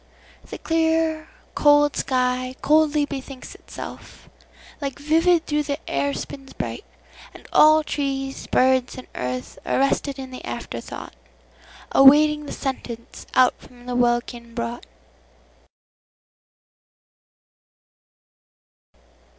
The clear, cold sky coldly bethinks itself. Like vivid thought the air spins bright, and allTrees, birds, and earth, arrested in the after thoughtAwaiting the sentence out from the welkin brought.